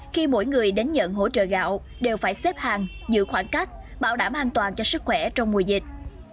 khi mỗi người đến nhận hỗ trợ gạo đều phải xếp hàng giữ khoảng cách bảo đảm an toàn cho sức khỏe trong mùa dịch